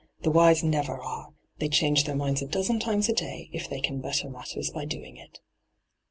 The wise never are — they change their minds a dozen times a day, if they can better matters by doing it.'